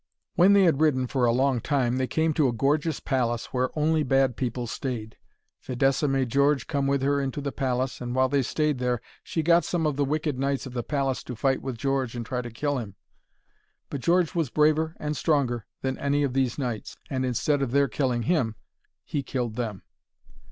When they had ridden for a long time they came to a gorgeous palace where only bad people stayed. Fidessa made George come with her into the palace, and while they stayed there she got some of the wicked knights of the palace to fight with George and try to kill him. But George was braver and stronger than any of these knights, and instead of their killing him, he killed them.